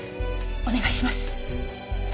お願いします。